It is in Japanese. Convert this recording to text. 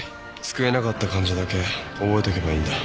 救えなかった患者だけ覚えておけばいいんだ。